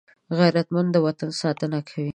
غیرتمند د وطن ساتنه کوي